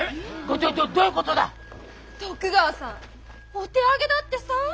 お手上げだってさ！